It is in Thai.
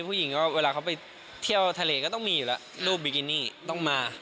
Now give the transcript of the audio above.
ผู้หญิงก็เวลาเขาไปเที่ยวทะเลก็ต้องมีอยู่แล้วรูปบิกินี่ต้องมา